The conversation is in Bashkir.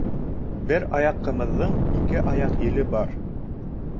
Бер аяҡ ҡымыҙҙың ике аяҡ еле бар.